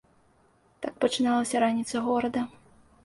Так пачыналася раніца горада.